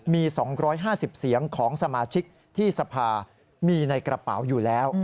มี๒๕๐เสียงของสมาชิกที่สภามีในกระเป๋าอยู่แล้ว